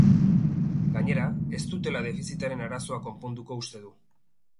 Gainera, ez dutela defizitaren arazoa konponduko uste du.